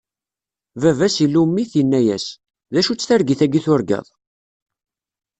Baba-s ilumm-it, inna-as: D acu-tt targit-agi i turgaḍ?